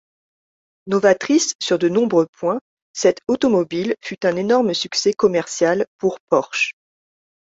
Novatrice sur de nombreux points, cette automobile fut un énorme succès commercial pour Porsche.